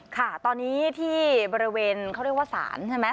ค่ะตอนนี้ที่บริเวณเขาเรียกว่าศาลใช่ไหม